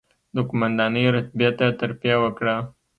د قوماندانۍ رتبې ته ترفېع وکړه،